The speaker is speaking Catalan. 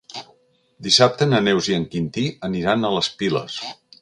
Dissabte na Neus i en Quintí aniran a les Piles.